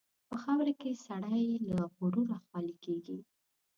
په خاوره کې سړی له غروره خالي کېږي.